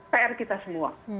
pr kita semua